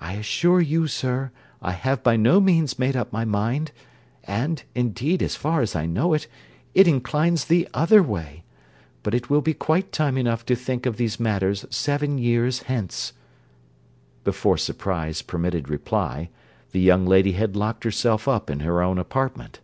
I assure you, sir, I have by no means made up my mind; and, indeed, as far as I know it, it inclines the other way; but it will be quite time enough to think of these matters seven years hence. Before surprise permitted reply, the young lady had locked herself up in her own apartment.